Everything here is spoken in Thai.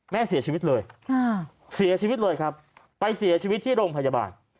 แม่เสียชีวิตเลยไปเสียชีวิตที่โรงพยาบาล